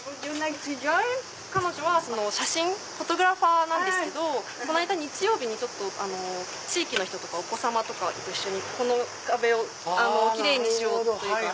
彼女は写真フォトグラファーなんですけどこないだ日曜日に地域の人とかお子さまと一緒にこの壁を奇麗にしようというか。